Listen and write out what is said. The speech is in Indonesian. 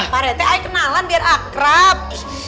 pak rete ayo kenalan biar akrab